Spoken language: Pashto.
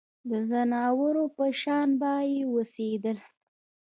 د ځناورو په شان به یې اوسېدل.